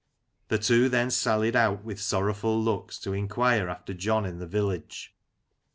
The two then sallied out with sorrowful looks, to enquire after John in the village.